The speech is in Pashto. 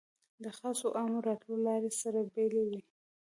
د خاصو او عامو راتلو لارې سره بېلې وې.